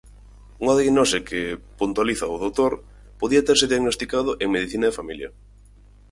Unha diagnose que, puntualiza ou doutor, podía terse diagnosticado en medicina de familia.